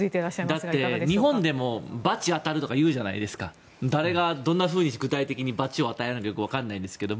だって日本でもバチが当たるとかいうじゃないですかだれがどんなふうにして具体的な罰を与えるかは分からないですけど